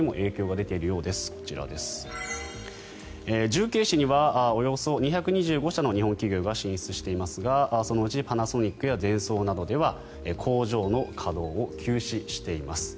重慶市にはおよそ２２５社の日本企業が進出していますがそのうちパナソニックやデンソーなどでは工場の稼働を休止しています。